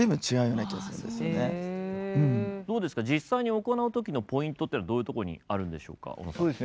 どうですか実際に行う時のポイントっていうのはどういうところにあるんでしょうか大野さん。